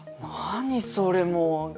何それもう。